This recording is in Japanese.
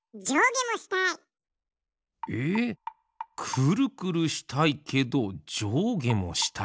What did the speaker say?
くるくるしたいけどじょうげもしたい。